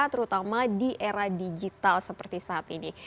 terutama di era digital seperti saat ini